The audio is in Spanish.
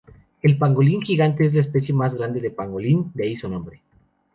El pangolín gigante es la especie más grande de pangolín, de ahí su nombre.